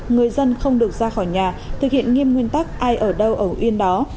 người dân không được ra khỏi nhà thực hiện nghiêm nguyên tắc ai ở đâu ở yên đó